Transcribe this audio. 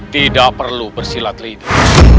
tidak perlu bersilat lidah